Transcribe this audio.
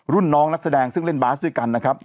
รุ่นน้องนักแสดงซึ่งเล่นบาสด้วยกันนะครับ